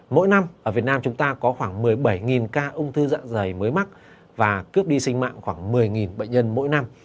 mỗi năm ở việt nam chúng ta có khoảng một mươi bảy ca ung thư dạ dày mới mắc và cướp đi sinh mạng khoảng một mươi bệnh nhân mỗi năm